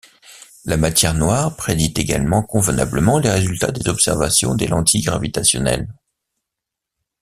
La matière noire prédit également convenablement les résultats des observations des lentilles gravitationnelles.